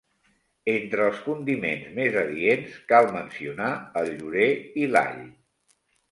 Entre els condiments més adients cal mencionar el llorer i l'all.